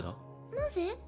なぜ？